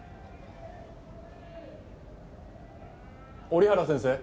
折原先生。